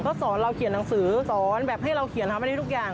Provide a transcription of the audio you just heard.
เขาสอนเราเขียนหนังสือสอนแบบให้เราเขียนทำอะไรทุกอย่าง